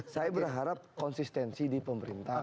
saya berharap konsistensi di pemerintah